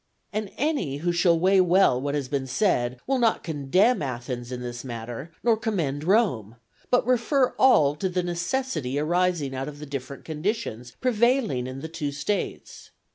And any who shall weigh well what has been said, will not condemn Athens in this matter, nor commend Rome, but refer all to the necessity arising out of the different conditions prevailing in the two States.